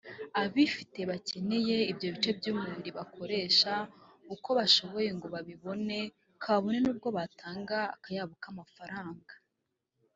abifite bakeneye ibyo bice by’umubiri bakoresha uko bashoboye ngo babibone kabone n’ubwo batanga akayabo k’amafaranga